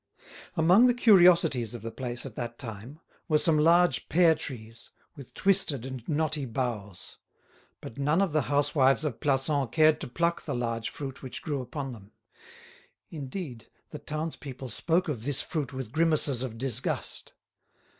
Among the curiosities of the place at that time were some large pear trees, with twisted and knotty boughs; but none of the housewives of Plassans cared to pluck the large fruit which grew upon them. Indeed, the townspeople spoke of this fruit with grimaces of disgust.